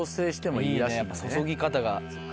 いいねやっぱ注ぎ方が。